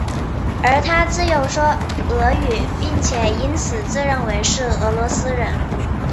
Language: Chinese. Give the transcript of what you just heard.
而他自幼说俄语并且因此自认为是俄罗斯人。